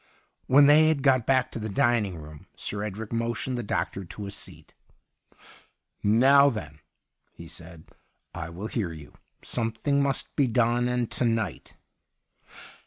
When they had got back to the dining room. Sir Edric motioned the doctor to a seat. * Now, then,' he said, ' I will hear 117 THE UNDYING THING you. Something must be done — and to night.'